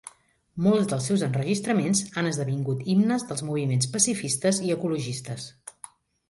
Molts dels seus enregistraments han esdevingut himnes dels moviments pacifistes i ecologistes.